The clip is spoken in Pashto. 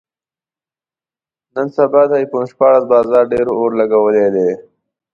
نن سبا د ایفون شپاړس بازار ډېر اور لګولی دی.